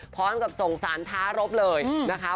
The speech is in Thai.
พร้อมกับส่งสารท้ารบเลยนะคะ